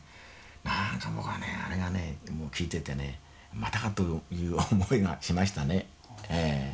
何か僕はねあれがね聞いててねまたかという思いがしましたね。